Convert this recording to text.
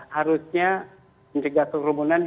harusnya mencegah kerumunan